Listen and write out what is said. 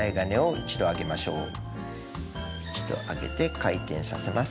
一度上げて回転させます。